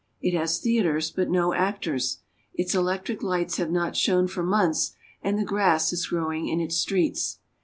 It has theaters, but no actors ; its electric lights have not shone for months, and 352 RUSSIA. the grass is growing in its streets.